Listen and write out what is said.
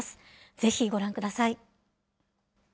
ぜひご覧ください。